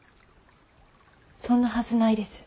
そんなはずないです。